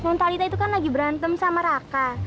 kontalita itu kan lagi berantem sama raka